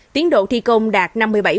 tiến độ thi công đạt năm mươi bảy